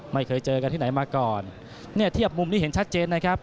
ไม่เคยเจอกันที่ไหนมาก่อนเนี่ยเทียบมุมนี้เห็นชัดเจนนะครับ